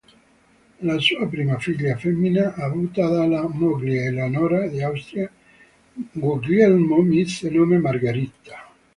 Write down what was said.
Alla sua prima figlia femmina, avuta dalla moglie Eleonora d'Austria, Guglielmo mise nome Margherita.